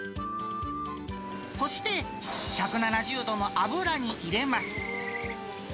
そして、１７０度の油に入れます。